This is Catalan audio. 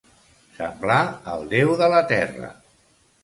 Semblar el Déu de la terra.